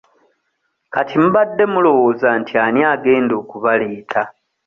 Kati mubadde mulowooza nti ani agenda okubaleeta?